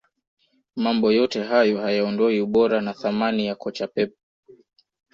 mambo yote hayo hayaondoi ubora na thamani ya kocha pep